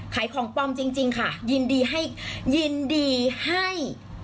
ขายของปลอมจริงค่ะยินดีให้ยินดีให้